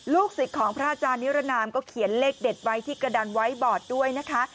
สิทธิ์ของพระอาจารย์นิรนามก็เขียนเลขเด็ดไว้ที่กระดันไว้บอดด้วยนะคะ